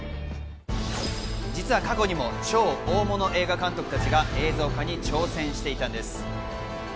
実は過去にも超大物映画監督たちが映像化に挑戦していたんです。